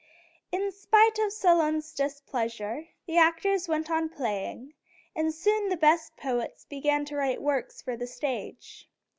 In spite of Solon's displeasure, the actors went on playing, and soon the best poets began to write works for the stage.